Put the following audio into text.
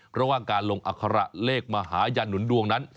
เพราะว่าการลงอัคระเลขมหายันหนุนดวงนั้น